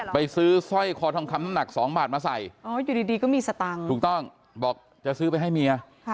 ไปซื้อสร้อยคอทองคำน้ำหนัก๒บาทมาใส่อยู่ดีก็มีสตังค์ถูกต้องบอกจะซื้อไปให้เมีย